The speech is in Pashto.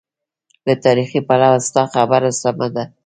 له تاریخي پلوه ستا خبره سمه ده.